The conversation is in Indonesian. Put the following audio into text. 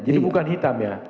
jadi bukan hitam ya